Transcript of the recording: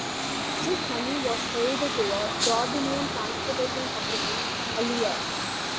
This money was paid to a Jordanian transportation company, Alia.